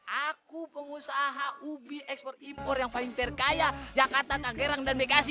aku pengusaha ub ekspor impor yang volunteer kaya jakarta tangerang dan bekasi